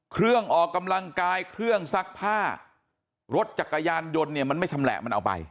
เครื่องออกกำลังกายเครื่องซักผ้ารถจักรยานยนต์เนี่ยมันไม่ชำแหละมันเอาไป